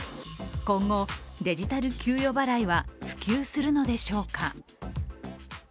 今後、デジタル給与払いは普及するのでしょうか。